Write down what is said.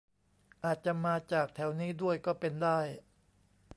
อาจจะมาจากแถวนี้ด้วยก็เป็นได้